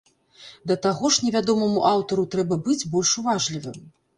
Да таго ж невядомаму аўтару трэба быць больш уважлівым.